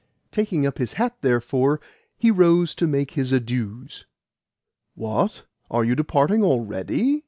Taking up his hat, therefore, he rose to make his adieus. "What? Are you departing already?"